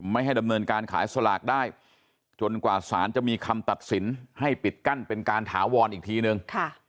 ให้ดำเนินการขายสลากได้จนกว่าสารจะมีคำตัดสินให้ปิดกั้นเป็นการถาวรอีกทีนึง